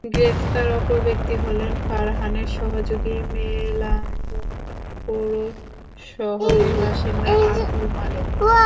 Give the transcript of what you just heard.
গ্রেপ্তার অপর ব্যক্তি হলেন ফারহানের সহযোগী মেলান্দহ পৌর শহরের বাসিন্দা আবদুল মালেক।